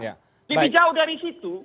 jadi jauh dari situ